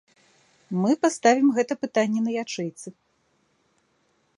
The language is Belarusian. Мы паставім гэта пытанне на ячэйцы.